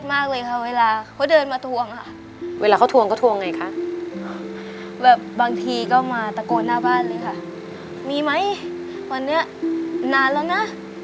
โปรดหน้าบ้านเลยค่ะมีไหมวันเนี้ยนานแล้วน่ะ